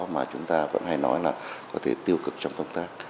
mà chúng ta vẫn hay nói là có thể tiêu cực trong công tác